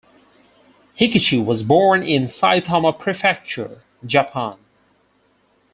Hikichi was born in Saitama Prefecture, Japan.